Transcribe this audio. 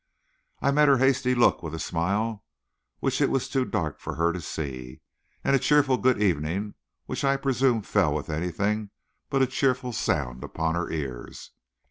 I met her hasty look with a smile which it was too dark for her to see, and a cheerful good evening which I presume fell with anything but a cheerful sound upon her ears.